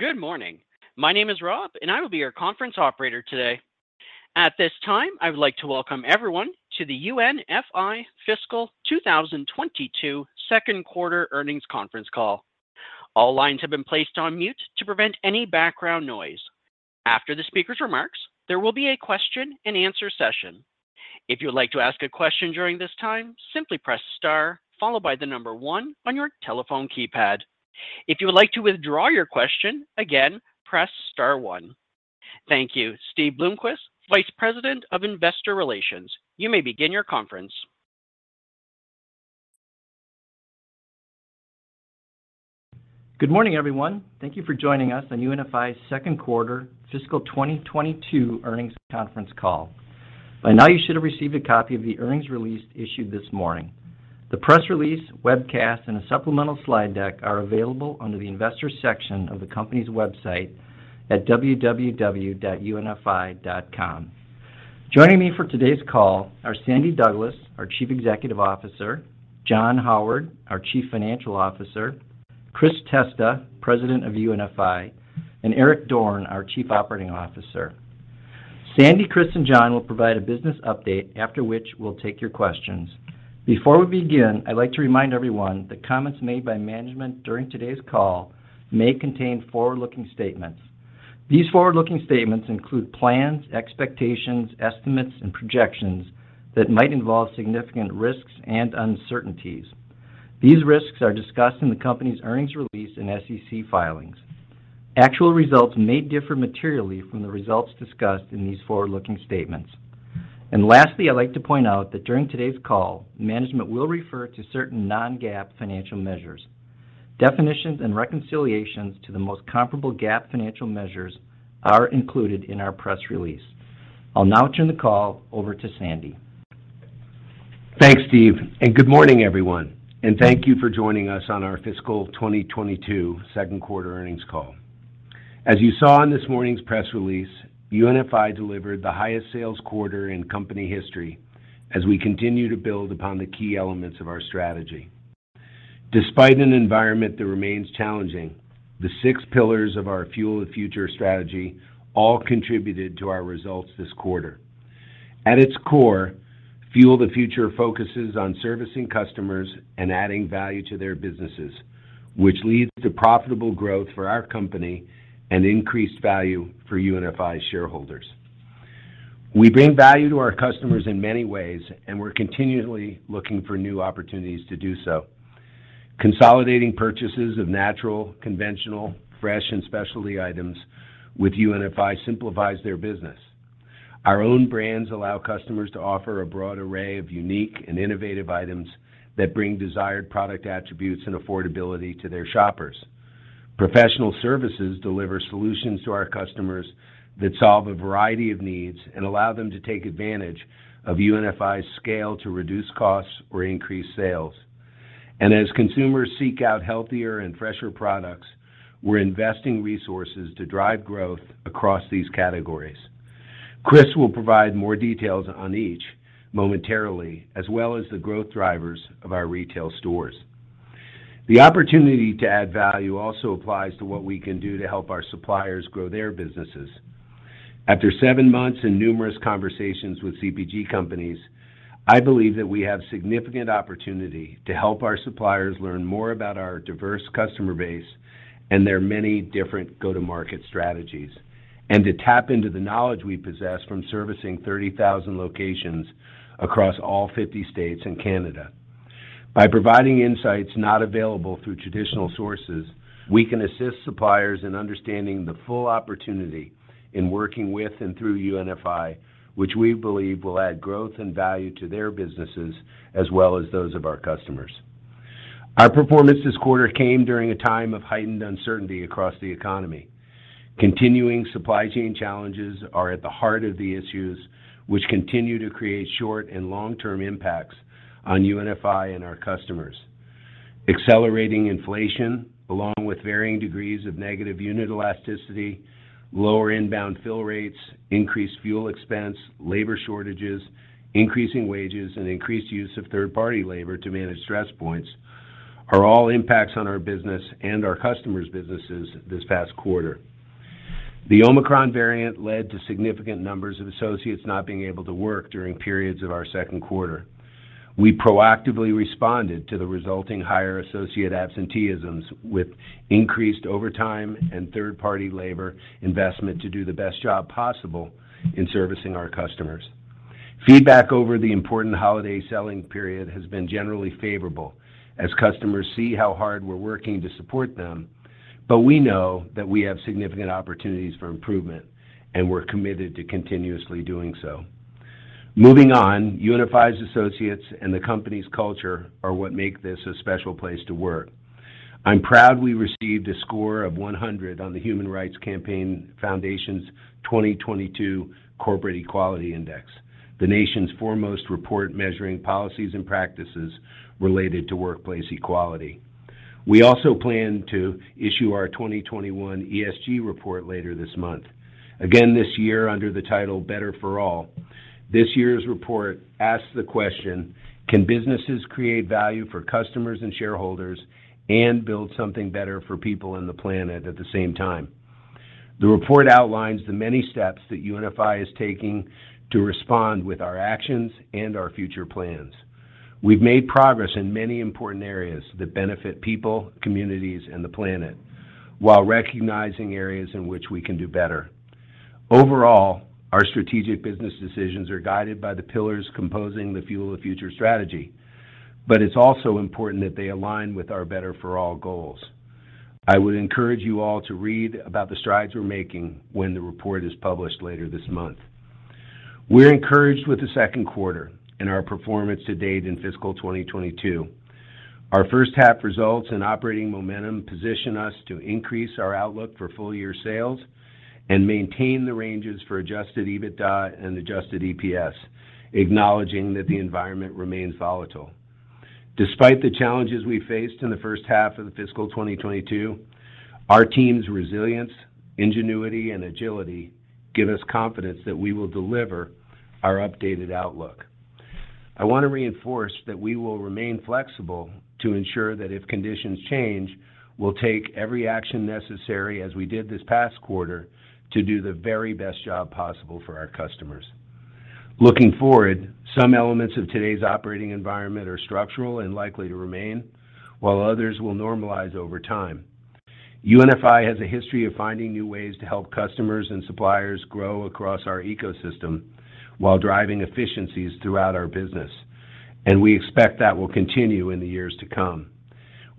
Good morning. My name is Rob, and I will be your conference operator today. At this time, I would like to welcome everyone to the UNFI fiscal 2022 second quarter earnings conference call. All lines have been placed on mute to prevent any background noise. After the speaker's remarks, there will be a question-and-answer session. If you would like to ask a question during this time, simply press star followed by the number one on your telephone keypad. If you would like to withdraw your question, again, press star one. Thank you. Steve Bloomquist, Vice President of Investor Relations, you may begin your conference. Good morning, everyone. Thank you for joining us on UNFI's second quarter fiscal 2022 earnings conference call. By now, you should have received a copy of the earnings release issued this morning. The press release, webcast, and a supplemental slide deck are available under the Investors section of the company's website at www.unfi.com. Joining me for today's call are Sandy Douglas, our Chief Executive Officer, John Howard, our Chief Financial Officer, Chris Testa, President of UNFI, and Eric Dorne, our Chief Operating Officer. Sandy, Chris, and John will provide a business update, after which we'll take your questions. Before we begin, I'd like to remind everyone that comments made by management during today's call may contain forward-looking statements. These forward-looking statements include plans, expectations, estimates, and projections that might involve significant risks and uncertainties. These risks are discussed in the company's earnings release and SEC filings. Actual results may differ materially from the results discussed in these forward-looking statements. Lastly, I'd like to point out that during today's call, management will refer to certain non-GAAP financial measures. Definitions and reconciliations to the most comparable GAAP financial measures are included in our press release. I'll now turn the call over to Sandy. Thanks, Steve, and good morning, everyone, and thank you for joining us on our fiscal 2022 second quarter earnings call. As you saw in this morning's press release, UNFI delivered the highest sales quarter in company history as we continue to build upon the key elements of our strategy. Despite an environment that remains challenging, the six pillars of our Fuel the Future strategy all contributed to our results this quarter. At its core, Fuel the Future focuses on servicing customers and adding value to their businesses, which leads to profitable growth for our company and increased value for UNFI shareholders. We bring value to our customers in many ways, and we're continually looking for new opportunities to do so. Consolidating purchases of natural, conventional, fresh, and specialty items with UNFI simplifies their business. Our own brands allow customers to offer a broad array of unique and innovative items that bring desired product attributes and affordability to their shoppers. Professional services deliver solutions to our customers that solve a variety of needs and allow them to take advantage of UNFI's scale to reduce costs or increase sales. As consumers seek out healthier and fresher products, we're investing resources to drive growth across these categories. Chris will provide more details on each momentarily, as well as the growth drivers of our retail stores. The opportunity to add value also applies to what we can do to help our suppliers grow their businesses. After seven months and numerous conversations with CPG companies, I believe that we have significant opportunity to help our suppliers learn more about our diverse customer base and their many different go-to-market strategies and to tap into the knowledge we possess from servicing 30,000 locations across all 50 states and Canada. By providing insights not available through traditional sources, we can assist suppliers in understanding the full opportunity in working with and through UNFI, which we believe will add growth and value to their businesses as well as those of our customers. Our performance this quarter came during a time of heightened uncertainty across the economy. Continuing supply chain challenges are at the heart of the issues which continue to create short and long-term impacts on UNFI and our customers. Accelerating inflation, along with varying degrees of negative unit elasticity, lower inbound fill rates, increased fuel expense, labor shortages, increasing wages, and increased use of third-party labor to manage stress points are all impacts on our business and our customers' businesses this past quarter. The Omicron variant led to significant numbers of associates not being able to work during periods of our second quarter. We proactively responded to the resulting higher associate absenteeism with increased overtime and third-party labor investment to do the best job possible in servicing our customers. Feedback over the important holiday selling period has been generally favorable as customers see how hard we're working to support them, but we know that we have significant opportunities for improvement, and we're committed to continuously doing so. Moving on, UNFI's associates and the company's culture are what make this a special place to work. I'm proud we received a score of 100 on the Human Rights Campaign Foundation's 2022 Corporate Equality Index, the nation's foremost report measuring policies and practices related to workplace equality. We also plan to issue our 2021 ESG report later this month. Again this year under the title Better for All. This year's report asks the question, "Can businesses create value for customers and shareholders and build something better for people and the planet at the same time?" The report outlines the many steps that UNFI is taking to respond with our actions and our future plans. We've made progress in many important areas that benefit people, communities, and the planet while recognizing areas in which we can do better. Overall, our strategic business decisions are guided by the pillars composing the Fuel the Future strategy, but it's also important that they align with our Better for All goals. I would encourage you all to read about the strides we're making when the report is published later this month. We're encouraged with the second quarter and our performance to date in fiscal 2022. Our first half results and operating momentum position us to increase our outlook for full year sales and maintain the ranges for adjusted EBITDA and adjusted EPS, acknowledging that the environment remains volatile. Despite the challenges we faced in the first half of the fiscal 2022, our team's resilience, ingenuity, and agility give us confidence that we will deliver our updated outlook. I want to reinforce that we will remain flexible to ensure that if conditions change, we'll take every action necessary as we did this past quarter to do the very best job possible for our customers. Looking forward, some elements of today's operating environment are structural and likely to remain, while others will normalize over time. UNFI has a history of finding new ways to help customers and suppliers grow across our ecosystem while driving efficiencies throughout our business, and we expect that will continue in the years to come.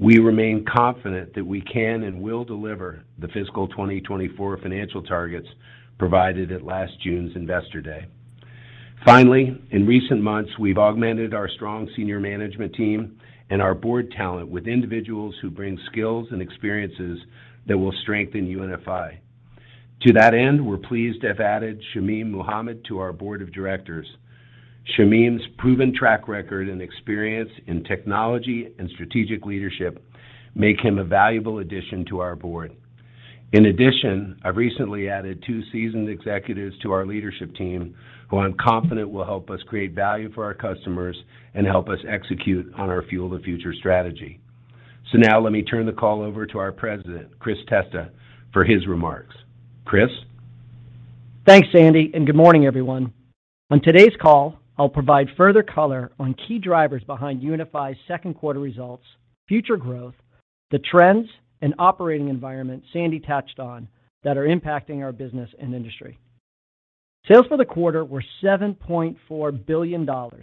We remain confident that we can and will deliver the fiscal 2024 financial targets provided at last June's Investor Day. Finally, in recent months, we've augmented our strong senior management team and our board talent with individuals who bring skills and experiences that will strengthen UNFI. To that end, we're pleased to have added Shamim Mohammad to our board of directors. Shamim's proven track record and experience in technology and strategic leadership make him a valuable addition to our board. In addition, I've recently added two seasoned executives to our leadership team who I'm confident will help us create value for our customers and help us execute on our Fuel the Future strategy. Now let me turn the call over to our president, Chris Testa, for his remarks. Chris? Thanks, Sandy, and good morning, everyone. On today's call, I'll provide further color on key drivers behind UNFI's second quarter results, future growth, the trends and operating environment Sandy touched on that are impacting our business and industry. Sales for the quarter were $7.4 billion, a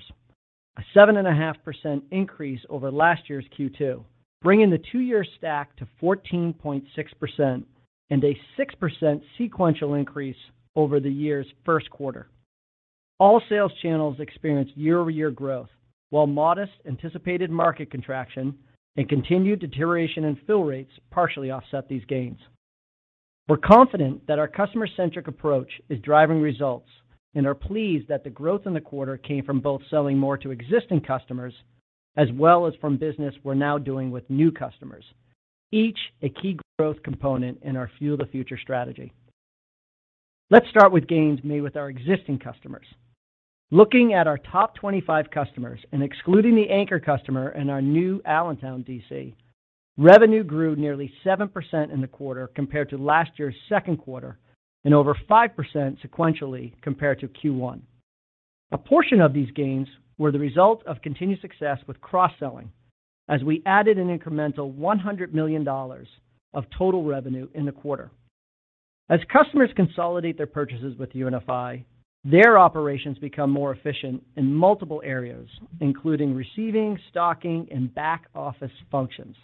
7.5% increase over last year's Q2, bringing the two-year stack to 14.6% and a 6% sequential increase over the year's first quarter. All sales channels experienced year-over-year growth, while modest anticipated market contraction and continued deterioration in fill rates partially offset these gains. We're confident that our customer-centric approach is driving results and are pleased that the growth in the quarter came from both selling more to existing customers as well as from business we're now doing with new customers, each a key growth component in our Fuel the Future strategy. Let's start with gains made with our existing customers. Looking at our top 25 customers and excluding the anchor customer in our new Allentown DC, revenue grew nearly 7% in the quarter compared to last year's second quarter and over 5% sequentially compared to Q1. A portion of these gains were the result of continued success with cross-selling as we added an incremental $100 million of total revenue in the quarter. As customers consolidate their purchases with UNFI, their operations become more efficient in multiple areas, including receiving, stocking, and back office functions.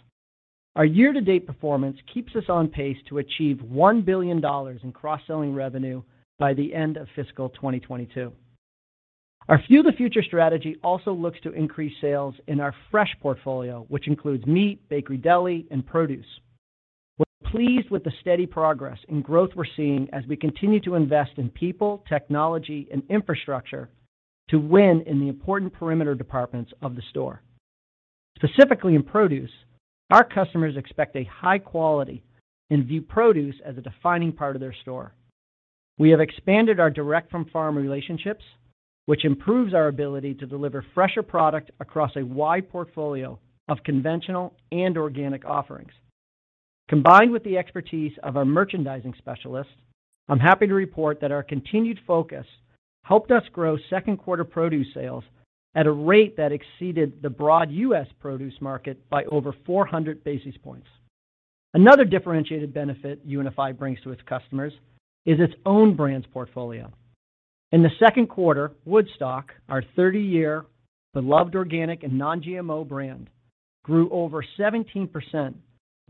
Our year-to-date performance keeps us on pace to achieve $1 billion in cross-selling revenue by the end of fiscal 2022. Our Fuel the Future strategy also looks to increase sales in our fresh portfolio, which includes meat, bakery, deli, and produce. We're pleased with the steady progress and growth we're seeing as we continue to invest in people, technology, and infrastructure to win in the important perimeter departments of the store. Specifically in produce, our customers expect a high quality and view produce as a defining part of their store. We have expanded our direct from farm relationships, which improves our ability to deliver fresher product across a wide portfolio of conventional and organic offerings. Combined with the expertise of our merchandising specialists, I'm happy to report that our continued focus helped us grow second quarter produce sales at a rate that exceeded the broad U.S. produce market by over 400 basis points. Another differentiated benefit UNFI brings to its customers is its own brands portfolio. In the second quarter, Woodstock, our 30-year beloved organic and non-GMO brand, grew over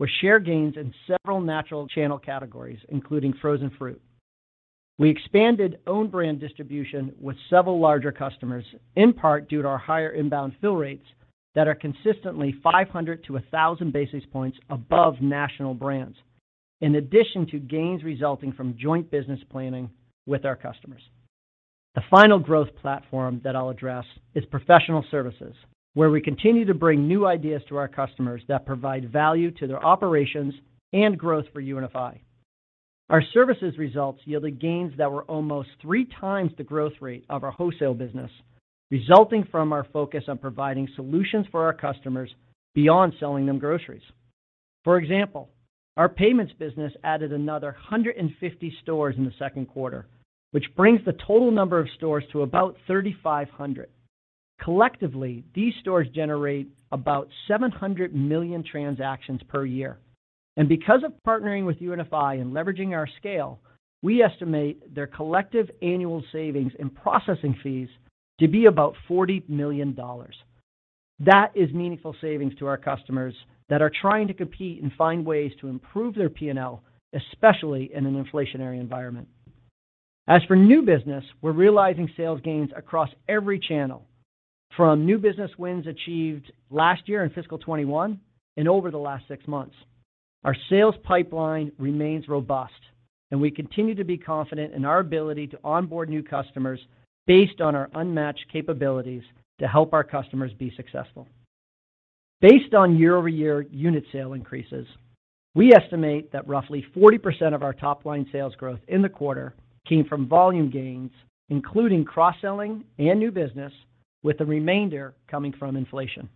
17% with share gains in several natural channel categories, including frozen fruit. We expanded own brand distribution with several larger customers, in part due to our higher inbound fill rates that are consistently 500-1,000 basis points above national brands, in addition to gains resulting from joint business planning with our customers. The final growth platform that I'll address is professional services, where we continue to bring new ideas to our customers that provide value to their operations and growth for UNFI. Our services results yielded gains that were almost three times the growth rate of our wholesale business, resulting from our focus on providing solutions for our customers beyond selling them groceries. For example, our payments business added another 150 stores in the second quarter, which brings the total number of stores to about 3,500. Collectively, these stores generate about 700 million transactions per year. Because of partnering with UNFI and leveraging our scale, we estimate their collective annual savings in processing fees to be about $40 million. That is meaningful savings to our customers that are trying to compete and find ways to improve their PNL, especially in an inflationary environment. As for new business, we're realizing sales gains across every channel, from new business wins achieved last year in fiscal 2021 and over the last six months. Our sales pipeline remains robust, and we continue to be confident in our ability to onboard new customers based on our unmatched capabilities to help our customers be successful. Based on year-over-year unit sale increases, we estimate that roughly 40% of our top line sales growth in the quarter came from volume gains, including cross-selling and new business, with the remainder coming from inflation.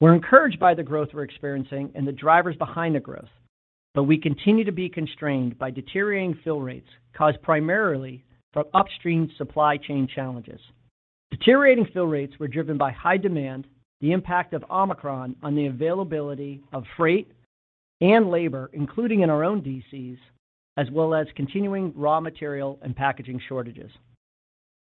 We're encouraged by the growth we're experiencing and the drivers behind the growth, but we continue to be constrained by deteriorating fill rates caused primarily from upstream supply chain challenges. Deteriorating fill rates were driven by high demand, the impact of Omicron on the availability of freight and labor, including in our own DCs, as well as continuing raw material and packaging shortages.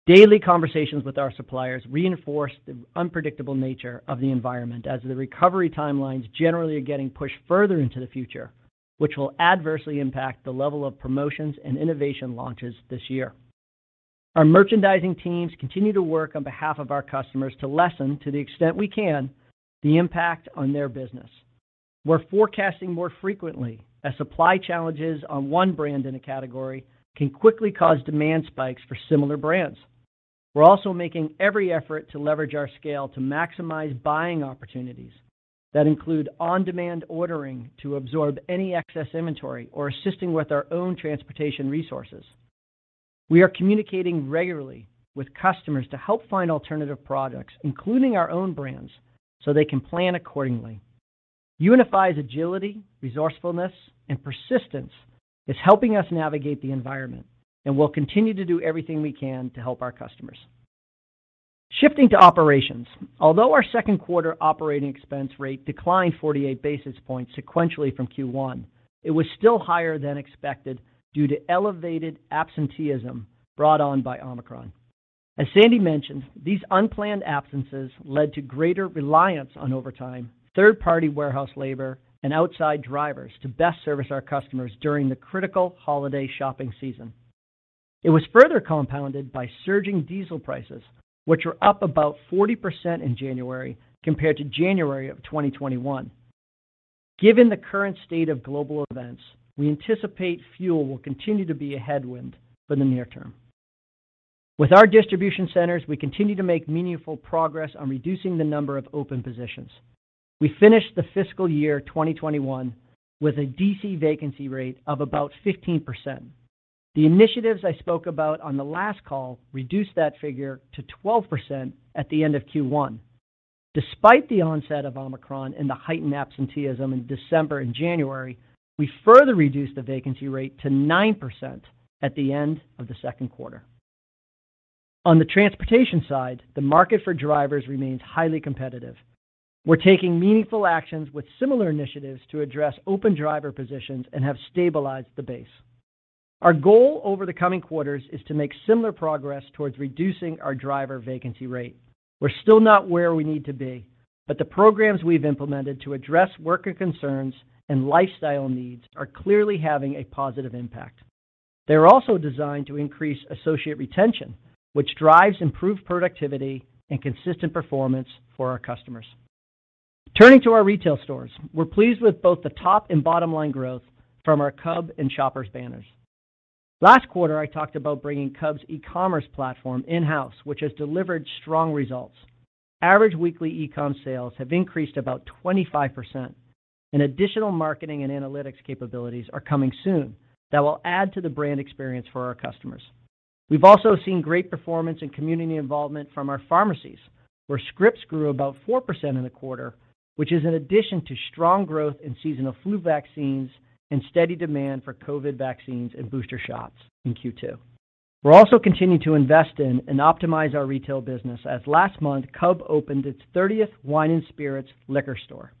Daily conversations with our suppliers reinforce the unpredictable nature of the environment as the recovery timelines generally are getting pushed further into the future, which will adversely impact the level of promotions and innovation launches this year. Our merchandising teams continue to work on behalf of our customers to lessen, to the extent we can, the impact on their business. We're forecasting more frequently as supply challenges on one brand in a category can quickly cause demand spikes for similar brands. We're also making every effort to leverage our scale to maximize buying opportunities that include on-demand ordering to absorb any excess inventory or assisting with our own transportation resources. We are communicating regularly with customers to help find alternative products, including our own brands, so they can plan accordingly. UNFI's agility, resourcefulness, and persistence is helping us navigate the environment, and we'll continue to do everything we can to help our customers. Shifting to operations. Although our second quarter operating expense rate declined 48 basis points sequentially from Q1, it was still higher than expected due to elevated absenteeism brought on by Omicron. As Sandy mentioned, these unplanned absences led to greater reliance on overtime, third-party warehouse labor, and outside drivers to best service our customers during the critical holiday shopping season. It was further compounded by surging diesel prices, which were up about 40% in January compared to January of 2021. Given the current state of global events, we anticipate fuel will continue to be a headwind for the near term. With our distribution centers, we continue to make meaningful progress on reducing the number of open positions. We finished the fiscal year 2021 with a DC vacancy rate of about 15%. The initiatives I spoke about on the last call reduced that figure to 12% at the end of Q1. Despite the onset of Omicron and the heightened absenteeism in December and January, we further reduced the vacancy rate to 9% at the end of the second quarter. On the transportation side, the market for drivers remains highly competitive. We're taking meaningful actions with similar initiatives to address open driver positions and have stabilized the base. Our goal over the coming quarters is to make similar progress towards reducing our driver vacancy rate. We're still not where we need to be, but the programs we've implemented to address worker concerns and lifestyle needs are clearly having a positive impact. They are also designed to increase associate retention, which drives improved productivity and consistent performance for our customers. Turning to our retail stores, we're pleased with both the top and bottom line growth from our Cub and Shoppers banners. Last quarter, I talked about bringing Cub's e-commerce platform in-house, which has delivered strong results. Average weekly e-com sales have increased about 25%, and additional marketing and analytics capabilities are coming soon that will add to the brand experience for our customers. We've also seen great performance and community involvement from our pharmacies, where scripts grew about 4% in the quarter, which is in addition to strong growth in seasonal flu vaccines and steady demand for COVID vaccines and booster shots in Q2. We're also continuing to invest in and optimize our retail business as last month, Cub opened its 30th wine and spirits liquor store.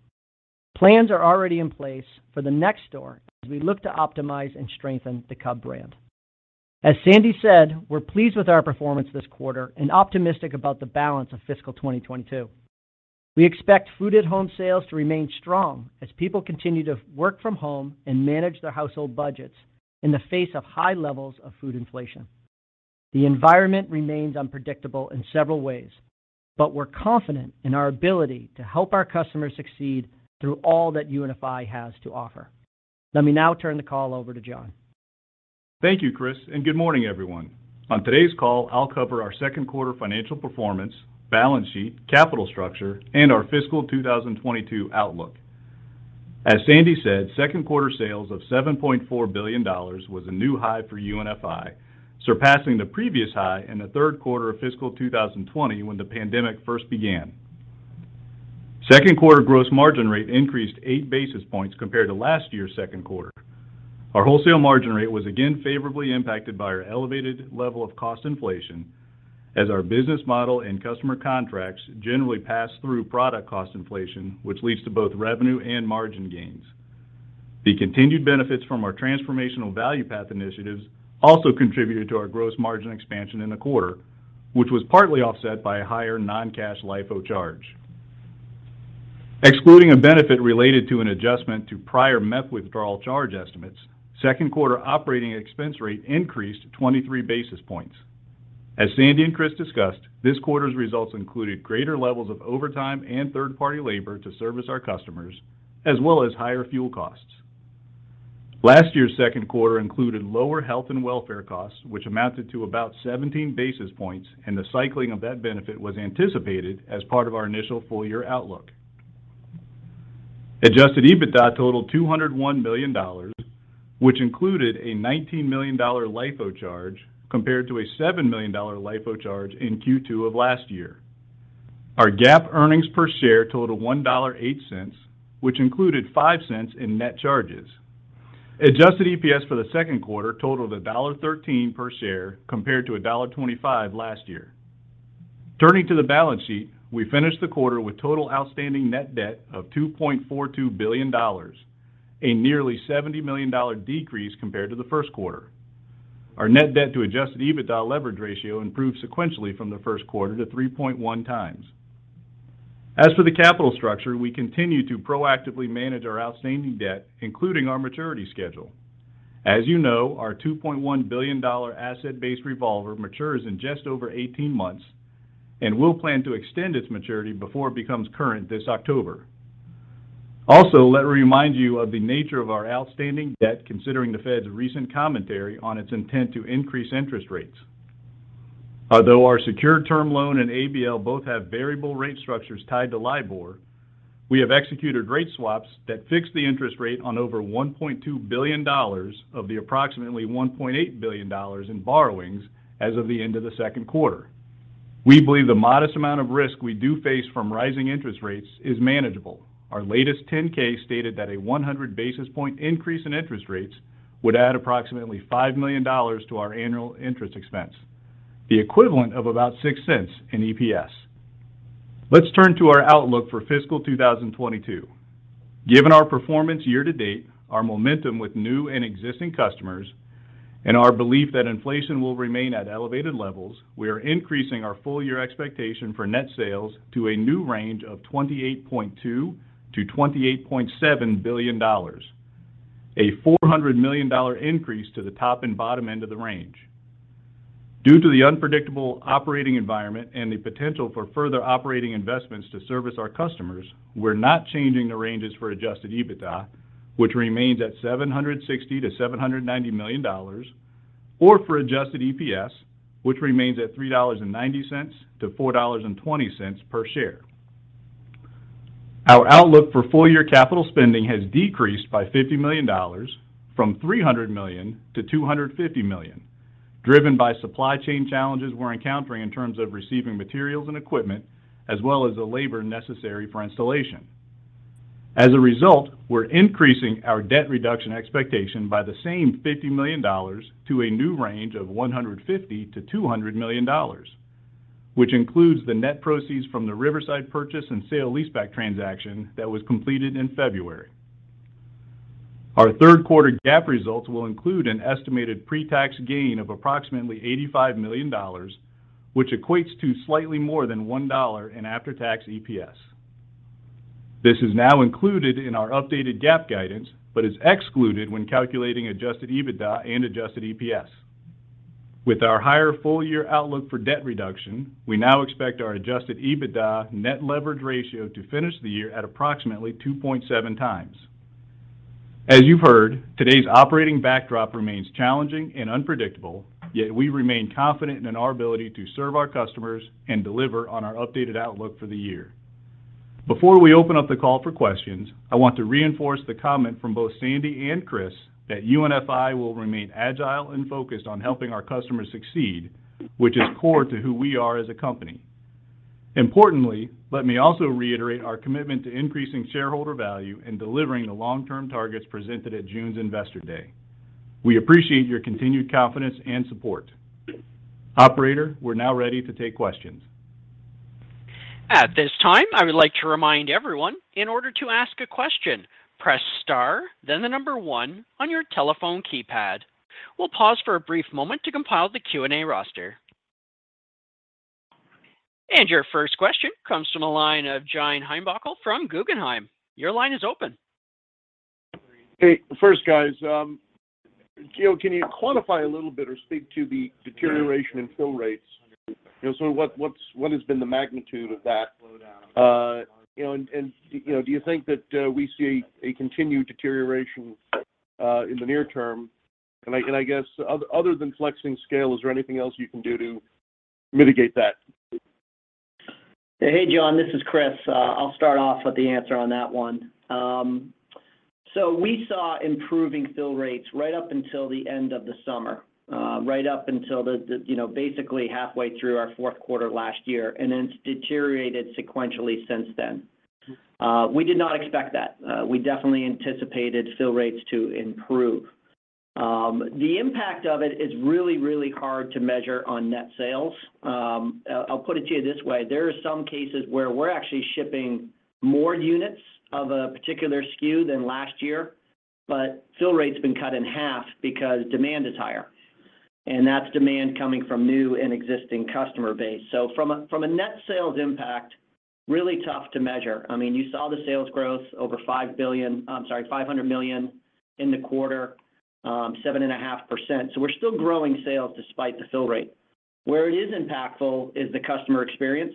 Plans are already in place for the next store as we look to optimize and strengthen the Cub brand. As Sandy said, we're pleased with our performance this quarter and optimistic about the balance of fiscal 2022. We expect food at home sales to remain strong as people continue to work from home and manage their household budgets in the face of high levels of food inflation. The environment remains unpredictable in several ways, but we're confident in our ability to help our customers succeed through all that UNFI has to offer. Let me now turn the call over to John. Thank you, Chris, and good morning, everyone. On today's call, I'll cover our second quarter financial performance, balance sheet, capital structure, and our fiscal 2022 outlook. As Sandy said, second quarter sales of $7.4 billion was a new high for UNFI, surpassing the previous high in the third quarter of fiscal 2020 when the pandemic first began. Second quarter gross margin rate increased 8 basis points compared to last year's second quarter. Our wholesale margin rate was again favorably impacted by our elevated level of cost inflation as our business model and customer contracts generally pass through product cost inflation, which leads to both revenue and margin gains. The continued benefits from our transformational Value Path initiatives also contributed to our gross margin expansion in the quarter, which was partly offset by a higher non-cash LIFO charge. Excluding a benefit related to an adjustment to prior MEPP withdrawal charge estimates, second quarter operating expense rate increased 23 basis points. As Sandy and Chris discussed, this quarter's results included greater levels of overtime and third-party labor to service our customers, as well as higher fuel costs. Last year's second quarter included lower health and welfare costs, which amounted to about 17 basis points, and the cycling of that benefit was anticipated as part of our initial full-year outlook. Adjusted EBITDA totaled $201 million, which included a $19 million LIFO charge compared to a $7 million LIFO charge in Q2 of last year. Our GAAP earnings per share totaled $1.08, which included $0.05 in net charges. Adjusted EPS for the second quarter totaled $1.13 per share compared to $1.25 last year. Turning to the balance sheet, we finished the quarter with total outstanding net debt of $2.42 billion, a nearly $70 million decrease compared to the first quarter. Our net debt to adjusted EBITDA leverage ratio improved sequentially from the first quarter to 3.1x. As for the capital structure, we continue to proactively manage our outstanding debt, including our maturity schedule. As you know, our $2.1 billion asset-based revolver matures in just over 18 months, and we'll plan to extend its maturity before it becomes current this October. Also, let me remind you of the nature of our outstanding debt, considering the Fed's recent commentary on its intent to increase interest rates. Although our secured term loan and ABL both have variable rate structures tied to LIBOR, we have executed rate swaps that fix the interest rate on over $1.2 billion of the approximately $1.8 billion in borrowings as of the end of the second quarter. We believe the modest amount of risk we do face from rising interest rates is manageable. Our latest 10-K stated that a 100 basis point increase in interest rates would add approximately $5 million to our annual interest expense, the equivalent of about $0.06 in EPS. Let's turn to our outlook for fiscal 2022. Given our performance year to date, our momentum with new and existing customers, and our belief that inflation will remain at elevated levels, we are increasing our full-year expectation for net sales to a new range of $28.2 billion-$28.7 billion, a $400 million increase to the top and bottom end of the range. Due to the unpredictable operating environment and the potential for further operating investments to service our customers, we're not changing the ranges for adjusted EBITDA, which remains at $760 million-$790 million, or for adjusted EPS, which remains at $3.90-$4.20 per share. Our outlook for full-year capital spending has decreased by $50 million from $300 million to $250 million, driven by supply chain challenges we're encountering in terms of receiving materials and equipment as well as the labor necessary for installation. As a result, we're increasing our debt reduction expectation by the same $50 million to a new range of $150 million-$200 million, which includes the net proceeds from the Riverside purchase and sale leaseback transaction that was completed in February. Our third quarter GAAP results will include an estimated pre-tax gain of approximately $85 million, which equates to slightly more than $1 in after-tax EPS. This is now included in our updated GAAP guidance, but is excluded when calculating adjusted EBITDA and adjusted EPS. With our higher full-year outlook for debt reduction, we now expect our adjusted EBITDA net leverage ratio to finish the year at approximately 2.7x. As you've heard, today's operating backdrop remains challenging and unpredictable, yet we remain confident in our ability to serve our customers and deliver on our updated outlook for the year. Before we open up the call for questions, I want to reinforce the comment from both Sandy and Chris that UNFI will remain agile and focused on helping our customers succeed, which is core to who we are as a company. Importantly, let me also reiterate our commitment to increasing shareholder value and delivering the long-term targets presented at June's Investor Day. We appreciate your continued confidence and support. Operator, we're now ready to take questions. At this time, I would like to remind everyone in order to ask a question, press star, then the number one on your telephone keypad. We'll pause for a brief moment to compile the Q&A roster. Your first question comes from the line of John Heinbockel from Guggenheim. Your line is open. Hey, first, guys, John, can you quantify a little bit or speak to the deterioration in fill rates? What has been the magnitude of that? You know, do you think that we see a continued deterioration in the near term? I guess other than flexing scale, is there anything else you can do to mitigate that? Hey John, this is Chris. I'll start off with the answer on that one. We saw improving fill rates right up until the end of the summer. Right up until the you know, basically halfway through our fourth quarter last year, and it's deteriorated sequentially since then. We did not expect that. We definitely anticipated fill rates to improve. The impact of it is really, really hard to measure on net sales. I'll put it to you this way. There are some cases where we're actually shipping more units of a particular SKU than last year, but fill rate's been cut in half because demand is higher, and that's demand coming from new and existing customer base. From a net sales impact, really tough to measure. I mean, you saw the sales growth over $5 billion. I'm sorry, $500 million in the quarter, 7.5%. We're still growing sales despite the fill rate. Where it is impactful is the customer experience,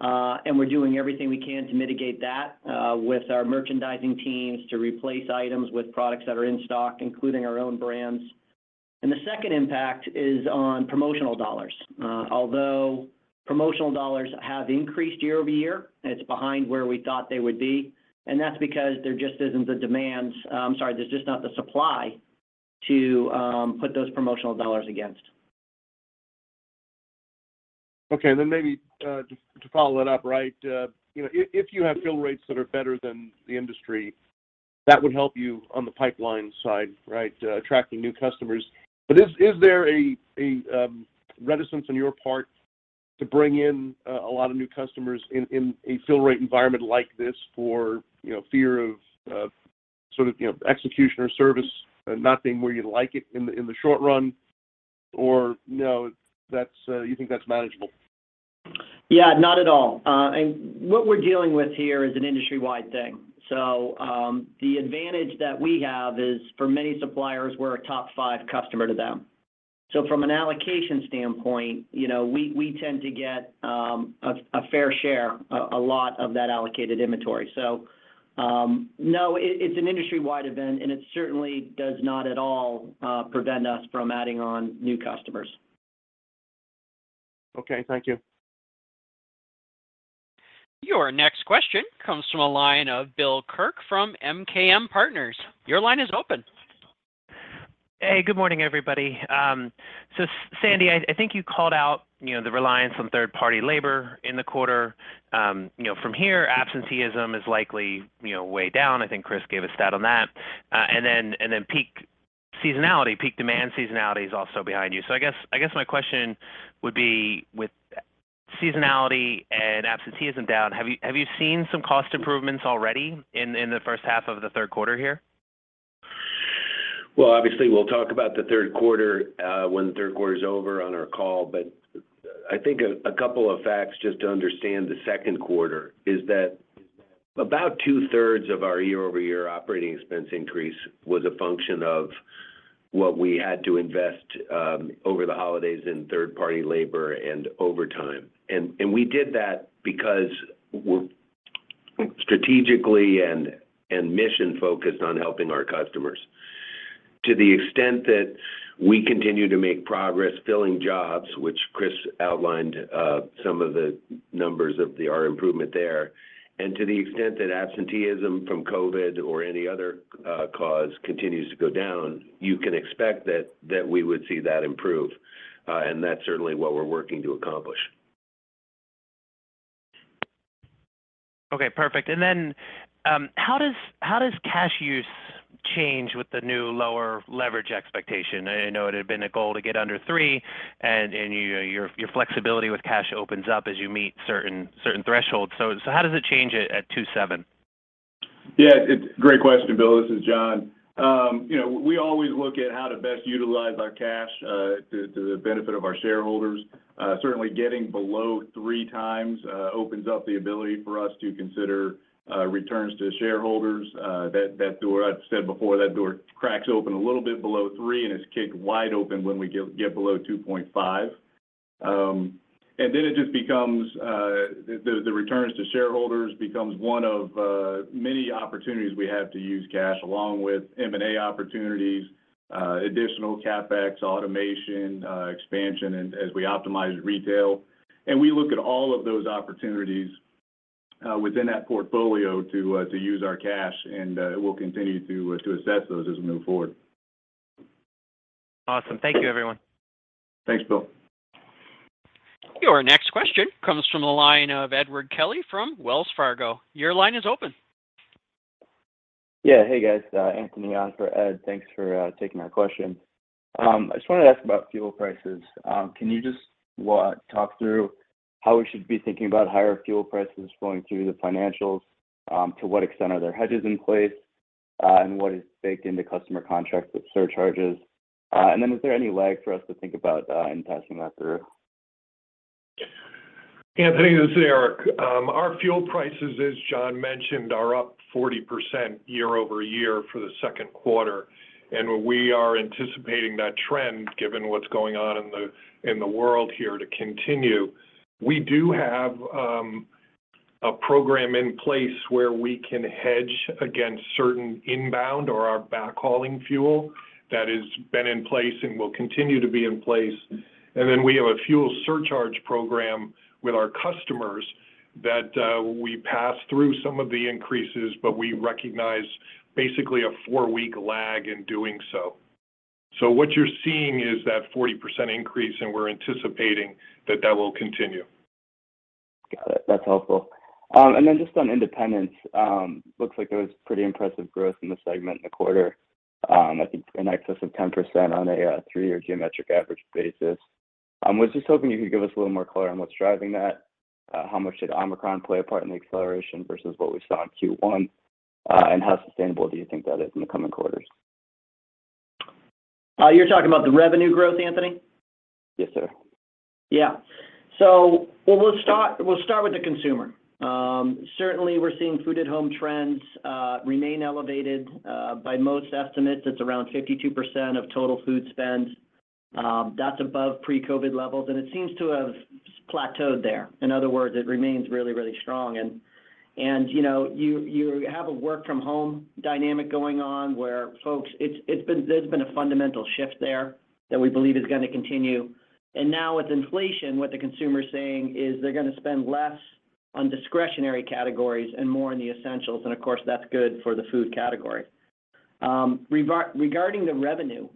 and we're doing everything we can to mitigate that, with our merchandising teams to replace items with products that are in stock, including our own brands. The second impact is on promotional dollars. Although promotional dollars have increased year-over-year, it's behind where we thought they would be, and that's because there's just not the supply to put those promotional dollars against. Okay. Maybe just to follow that up, right, you know, if you have fill rates that are better than the industry, that would help you on the pipeline side, right? Attracting new customers. Is there a reticence on your part to bring in a lot of new customers in a fill rate environment like this for you know fear of sort of you know execution or service not being where you'd like it in the short run? No, that's you think that's manageable? Yeah, not at all. What we're dealing with here is an industry-wide thing. The advantage that we have is for many suppliers, we're a top five customer to them. From an allocation standpoint, you know, we tend to get a fair share, a lot of that allocated inventory. No, it's an industry-wide event and it certainly does not at all prevent us from adding on new customers. Okay. Thank you. Your next question comes from the line of Bill Kirk from MKM Partners. Your line is open. Hey, good morning everybody. Sandy, I think you called out, you know, the reliance on third party labor in the quarter. You know, from here, absenteeism is likely, you know, way down. I think Chris gave a stat on that. Peak seasonality, peak demand seasonality is also behind you. I guess my question would be with seasonality and absenteeism down, have you seen some cost improvements already in the first half of the third quarter here? Well, obviously we'll talk about the third quarter when the third quarter's over on our call, but I think a couple of facts just to understand the second quarter is that about two thirds of our year-over-year operating expense increase was a function of what we had to invest over the holidays in third-party labor and overtime. We did that because we're strategically and mission-focused on helping our customers. To the extent that we continue to make progress filling jobs, which Chris outlined, some of the numbers on our improvement there. To the extent that absenteeism from COVID or any other cause continues to go down, you can expect that we would see that improve. That's certainly what we're working to accomplish. Okay. Perfect. How does cash use change with the new lower leverage expectation? I know it had been a goal to get under three and you know, your flexibility with cash opens up as you meet certain thresholds. How does it change at 2.7? Yeah, it's a great question, Bill. This is John. You know, we always look at how to best utilize our cash to the benefit of our shareholders. Certainly getting below three times opens up the ability for us to consider returns to shareholders. That door, I've said before, cracks open a little bit below three and is kicked wide open when we get below 2.5. Then it just becomes the returns to shareholders becomes one of many opportunities we have to use cash along with M&A opportunities, additional CapEx, automation, expansion as we optimize retail. We look at all of those opportunities within that portfolio to use our cash and we'll continue to assess those as we move forward. Awesome. Thank you everyone. Thanks, Bill. Your next question comes from the line of Edward Kelly from Wells Fargo. Your line is open. Yeah. Hey guys, Anthony on for Edward. Thanks for taking our question. I just wanted to ask about fuel prices. Can you just talk through how we should be thinking about higher fuel prices flowing through the financials? To what extent are there hedges in place, and what is baked into customer contracts with surcharges? Then is there any lag for us to think about in passing that through? Anthony, this is Eric. Our fuel prices, as John mentioned, are up 40% year-over-year for the second quarter. We are anticipating that trend, given what's going on in the world here, to continue. We do have a program in place where we can hedge against certain inbound or our backhauling fuel that has been in place and will continue to be in place. We have a fuel surcharge program with our customers that we pass through some of the increases, but we recognize basically a four-week lag in doing so. What you're seeing is that 40% increase, and we're anticipating that will continue. Got it. That's helpful. And then just on independents, looks like it was pretty impressive growth in the segment in the quarter. I think in excess of 10% on a three-year geometric average basis. I was just hoping you could give us a little more color on what's driving that. How much did Omicron play a part in the acceleration versus what we saw in Q1? And how sustainable do you think that is in the coming quarters? You're talking about the revenue growth, Anthony? Yes, sir. Yeah. Well, we'll start with the consumer. Certainly we're seeing food at home trends remain elevated. By most estimates, it's around 52% of total food spend. That's above pre-COVID levels, and it seems to have plateaued there. In other words, it remains really strong. You know, you have a work from home dynamic going on where folks, there's been a fundamental shift there that we believe is gonna continue. Now with inflation, what the consumer's saying is they're gonna spend less on discretionary categories and more on the essentials, and of course, that's good for the food category. Regarding the revenue,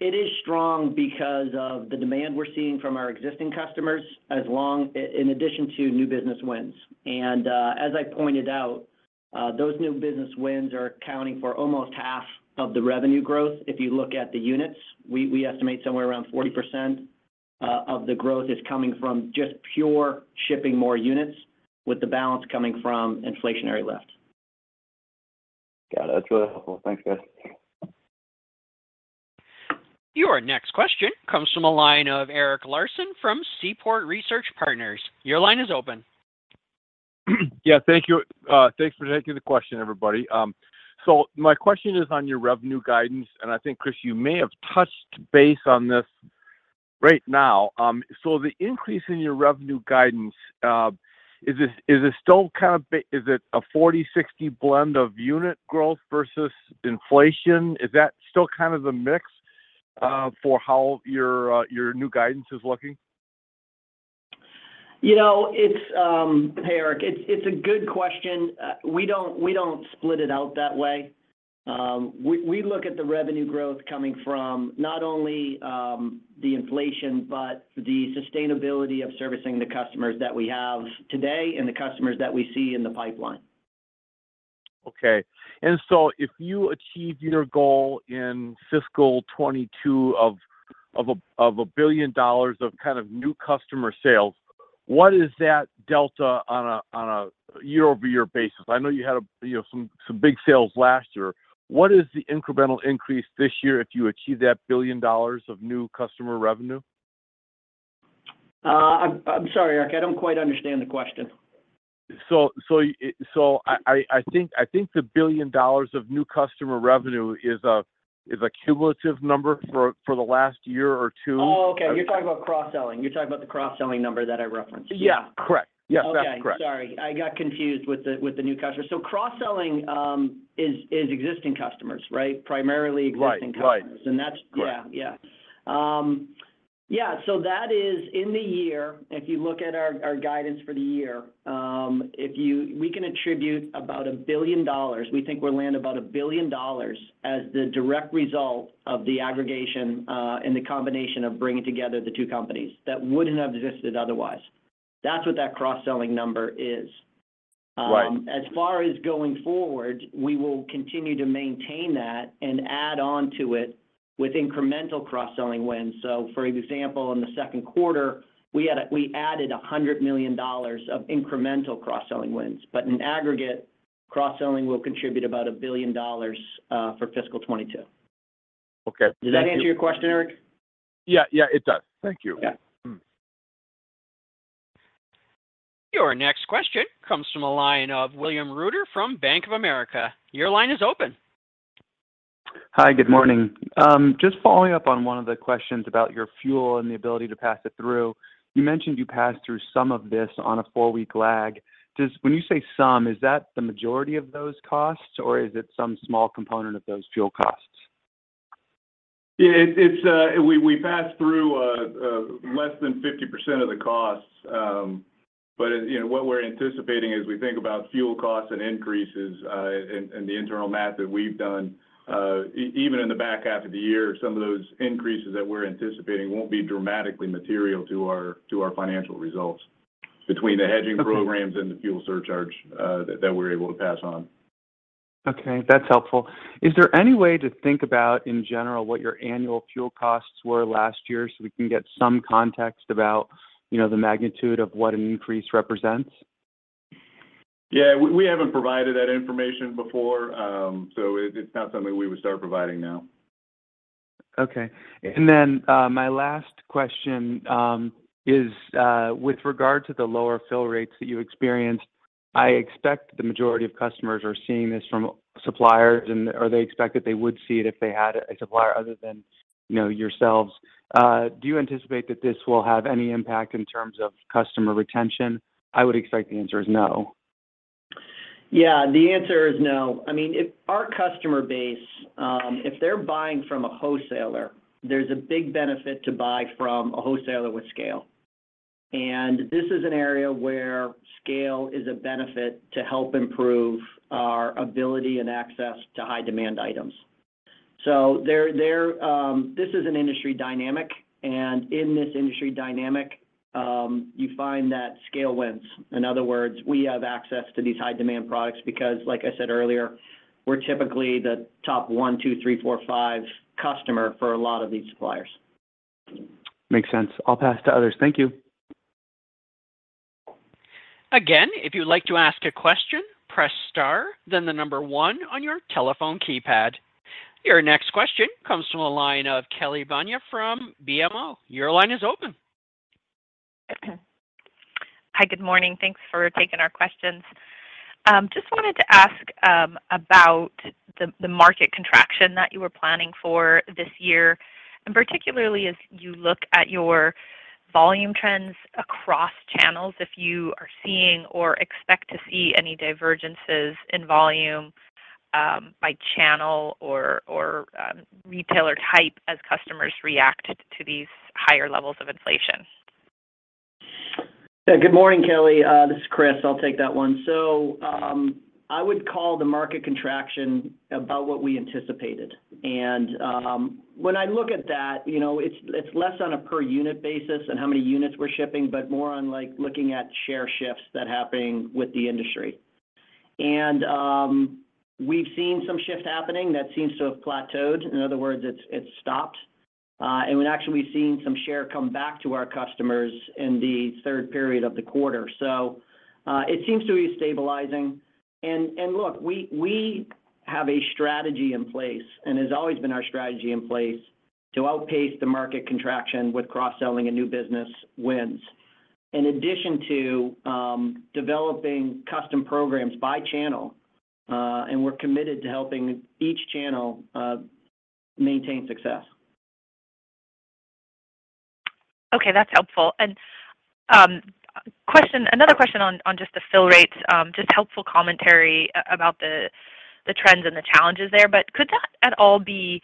it is strong because of the demand we're seeing from our existing customers as well as in addition to new business wins. as I pointed out, those new business wins are accounting for almost half of the revenue growth. If you look at the units, we estimate somewhere around 40% of the growth is coming from just pure shipping more units with the balance coming from inflationary lift. Got it. That's really helpful. Thanks, guys. Your next question comes from the line of Eric Larson from Seaport Research Partners. Your line is open. Yeah, thank you. Thanks for taking the question, everybody. My question is on your revenue guidance, and I think, Chris, you may have touched base on this right now. The increase in your revenue guidance, is this still kind of a 40-60 blend of unit growth versus inflation? Is that still kind of the mix for how your new guidance is looking? You know, it's. Hey, Eric. It's a good question. We don't split it out that way. We look at the revenue growth coming from not only the inflation, but the sustainability of servicing the customers that we have today and the customers that we see in the pipeline. Okay. If you achieve your goal in fiscal 2022 of $1 billion of kind of new customer sales, what is that delta on a year-over-year basis? I know you had, you know, some big sales last year. What is the incremental increase this year if you achieve that $1 billion of new customer revenue? I'm sorry, Eric. I don't quite understand the question. I think the $1 billion of new customer revenue is a cumulative number for the last year or two. Oh, okay. You're talking about cross-selling. You're talking about the cross-selling number that I referenced. Yeah. Correct. Yes, that's correct. Okay. Sorry. I got confused with the new customer. Cross-selling is existing customers, right? Primarily existing customers. Right. Right. And that's- Correct. Yeah. That is in the year, if you look at our guidance for the year, we can attribute about $1 billion, we think we'll land about $1 billion as the direct result of the aggregation, and the combination of bringing together the two companies that wouldn't have existed otherwise. That's what that cross-selling number is. Right. As far as going forward, we will continue to maintain that and add on to it with incremental cross-selling wins. For example, in the second quarter, we added $100 million of incremental cross-selling wins. In aggregate, cross-selling will contribute about $1 billion for fiscal 2022. Okay. Thank you. Does that answer your question, Eric? Yeah, yeah, it does. Thank you. Yeah. Mm. Your next question comes from the line of William Reuter from Bank of America. Your line is open. Hi. Good morning. Just following up on one of the questions about your fuel and the ability to pass it through. You mentioned you passed through some of this on a four-week lag. When you say some, is that the majority of those costs, or is it some small component of those fuel costs? Yeah. We passed through less than 50% of the costs. You know, what we're anticipating as we think about fuel costs and increases and the internal math that we've done, even in the back half of the year, some of those increases that we're anticipating won't be dramatically material to our financial results between the hedging programs and the fuel surcharge that we're able to pass on. Okay, that's helpful. Is there any way to think about, in general, what your annual fuel costs were last year so we can get some context about, you know, the magnitude of what an increase represents? Yeah, we haven't provided that information before, so it's not something we would start providing now. Okay. My last question is with regard to the lower fill rates that you experienced. I expect the majority of customers are seeing this from suppliers or they expect that they would see it if they had a supplier other than, you know, yourselves. Do you anticipate that this will have any impact in terms of customer retention? I would expect the answer is no. Yeah, the answer is no. I mean, if our customer base, if they're buying from a wholesaler, there's a big benefit to buy from a wholesaler with scale. This is an area where scale is a benefit to help improve our ability and access to high demand items. This is an industry dynamic, and in this industry dynamic, you find that scale wins. In other words, we have access to these high demand products because, like I said earlier, we're typically the top one, two, three, four, five customer for a lot of these suppliers. Makes sense. I'll pass to others. Thank you. Again, if you'd like to ask a question, press star, then the number one on your telephone keypad. Your next question comes from the line of Kelly Bania from BMO. Your line is open. Hi, good morning. Thanks for taking our questions. Just wanted to ask about the market contraction that you were planning for this year, and particularly as you look at your volume trends across channels, if you are seeing or expect to see any divergences in volume by channel or retailer type as customers react to these higher levels of inflation? Yeah. Good morning, Kelly. This is Chris. I'll take that one. I would call the market contraction about what we anticipated. When I look at that, you know, it's less on a per unit basis and how many units we're shipping, but more on like looking at share shifts that's happening with the industry. We've seen some shift happening that seems to have plateaued. In other words, it's stopped. We've actually seen some share come back to our customers in the third period of the quarter. It seems to be stabilizing. Look, we have a strategy in place, and it has always been our strategy in place to outpace the market contraction with cross-selling and new business wins. In addition to developing custom programs by channel, and we're committed to helping each channel maintain success. Okay. That's helpful. Another question on just the fill rates, just helpful commentary about the trends and the challenges there, but could that at all be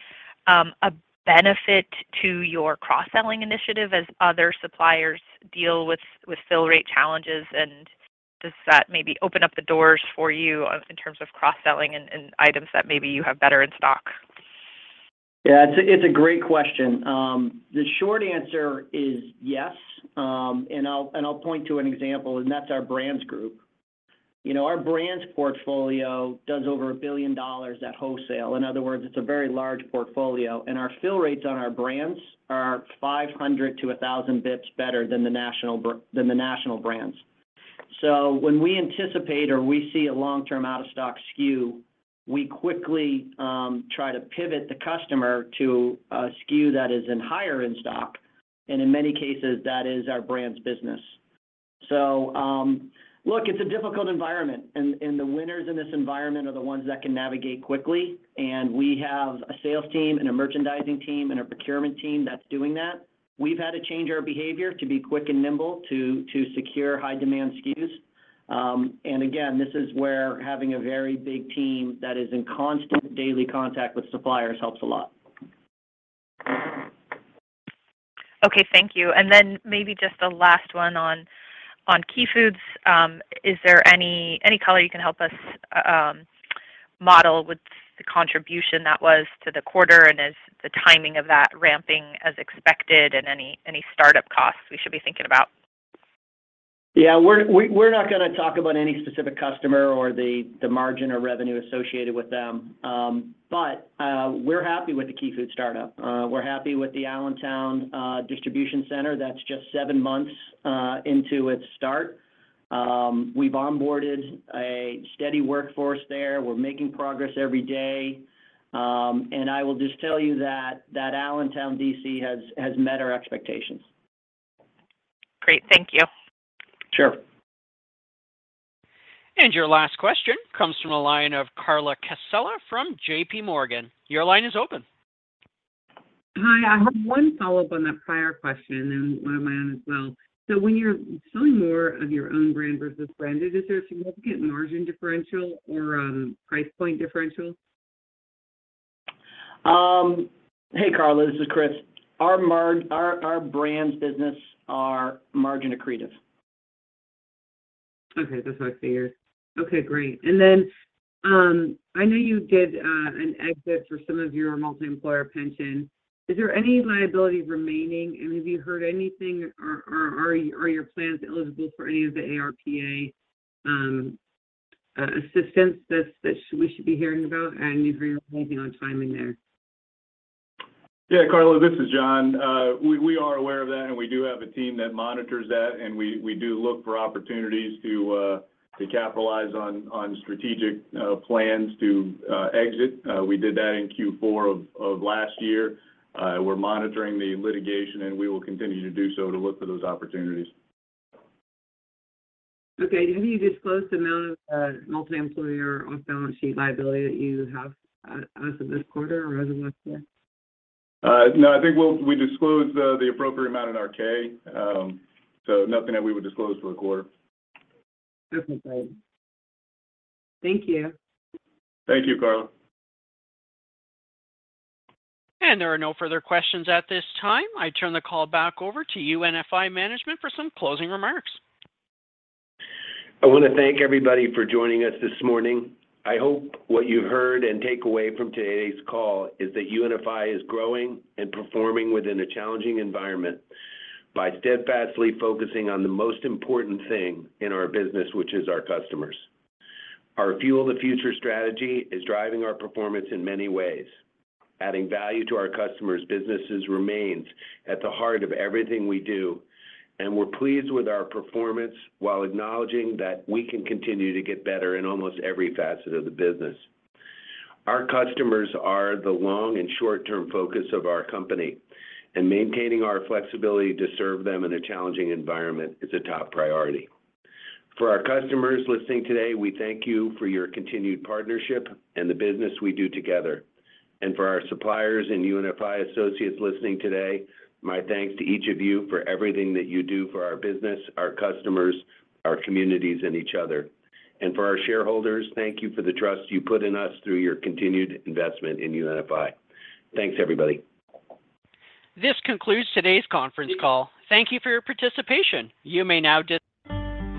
a benefit to your cross-selling initiative as other suppliers deal with fill rate challenges, and does that maybe open up the doors for you in terms of cross-selling and items that maybe you have better in stock? It's a great question. The short answer is yes. I'll point to an example, and that's our brands group. You know, our brands portfolio does over $1 billion at wholesale. In other words, it's a very large portfolio, and our fill rates on our brands are 500-1,000 basis points better than the national brands. When we anticipate or we see a long-term out of stock SKU, we quickly try to pivot the customer to a SKU that is higher in stock. In many cases, that is our brands business. Look, it's a difficult environment, and the winners in this environment are the ones that can navigate quickly. We have a sales team and a merchandising team and a procurement team that's doing that. We've had to change our behavior to be quick and nimble to secure high demand SKUs. Again, this is where having a very big team that is in constant daily contact with suppliers helps a lot. Okay. Thank you. Maybe just a last one on Key Food. Is there any color you can help us model with the contribution that was to the quarter, and is the timing of that ramping as expected and any startup costs we should be thinking about? Yeah. We're not gonna talk about any specific customer or the margin or revenue associated with them. We're happy with the Key Food startup. We're happy with the Allentown distribution center that's just 7 months into its start. We've onboarded a steady workforce there. We're making progress every day. I will just tell you that Allentown DC has met our expectations. Great. Thank you. Sure. Your last question comes from the line of Carla Casella from JPMorgan. Your line is open. Hi. I have one follow-up on that prior question and one of my own as well. When you're selling more of your own brand versus branded, is there a significant margin differential or, price point differential? Hey, Carla, this is Chris. Our brands business are margin accretive. Okay. That's what I figured. Okay, great. I know you did an exit for some of your multi-employer pension. Is there any liability remaining, and have you heard anything or are your plans eligible for any of the ARPA assistance that we should be hearing about? Do you have anything on timing there? Yeah, Carla, this is John. We are aware of that, and we do have a team that monitors that, and we do look for opportunities to capitalize on strategic plans to exit. We did that in Q4 of last year. We're monitoring the litigation, and we will continue to do so to look for those opportunities. Okay. Do you think you disclosed the amount of multi-employer off-balance sheet liability that you have as of this quarter or as of last year? No, I think we disclosed the appropriate amount in our K. So nothing that we would disclose for the quarter. Just as I thought. Thank you. Thank you, Carla. There are no further questions at this time. I turn the call back over to UNFI management for some closing remarks. I wanna thank everybody for joining us this morning. I hope what you heard and take away from today's call is that UNFI is growing and performing within a challenging environment by steadfastly focusing on the most important thing in our business, which is our customers. Our Fuel the Future strategy is driving our performance in many ways. Adding value to our customers' businesses remains at the heart of everything we do, and we're pleased with our performance while acknowledging that we can continue to get better in almost every facet of the business. Our customers are the long and short-term focus of our company, and maintaining our flexibility to serve them in a challenging environment is a top priority. For our customers listening today, we thank you for your continued partnership and the business we do together. For our suppliers and UNFI associates listening today, my thanks to each of you for everything that you do for our business, our customers, our communities, and each other. For our shareholders, thank you for the trust you put in us through your continued investment in UNFI. Thanks, everybody. This concludes today's conference call. Thank you for your participation. You may now dis-